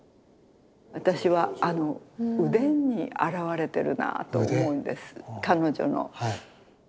私はあの腕に表れてるなと思うんです彼女の。